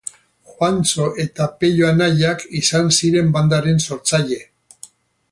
Juantxo eta Peio anaiak izan ziren bandaren sortzaile.